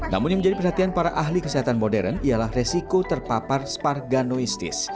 namun yang menjadi perhatian para ahli kesehatan modern ialah resiko terpapar sparganoistis